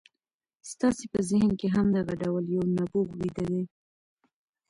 ستاسې په ذهن کې هم دغه ډول یو نبوغ ویده دی